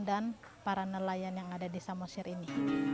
dan para nelayan yang ada di samosir ini